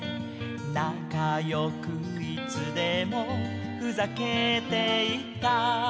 「なかよくいつでもふざけていた」